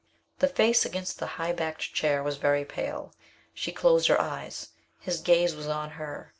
The face against the high backed chair was very pale. She closed her eyes. His gaze was on her.